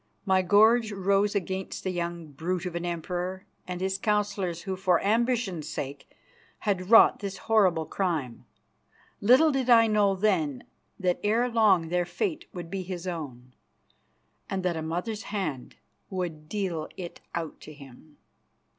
My gorge rose against the young brute of an Emperor and his councillors who, for ambition's sake, had wrought this horrible crime. Little did I know then that ere long their fate would be his own, and that a mother's hand would deal it out to him.